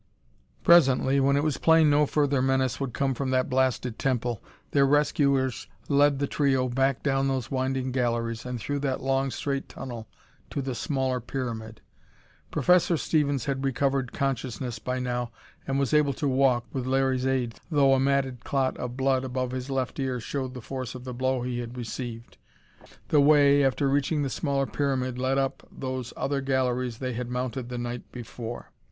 Presently, when it was plain no further menace would come from that blasted temple, their rescuers led the trio back down those winding galleries, and through that long, straight tunnel to the smaller pyramid. Professor Stevens had recovered consciousness by now and was able to walk, with Larry's aid, though a matted clot of blood above his left ear showed the force of the blow he had received. The way, after reaching the smaller pyramid, led up those other galleries they had mounted the night before.